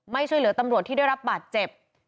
ช่วยเหลือตำรวจที่ได้รับบาดเจ็บ